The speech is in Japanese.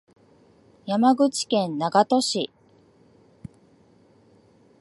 山口県長門市